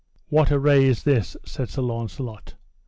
What array is this? said Sir Launcelot.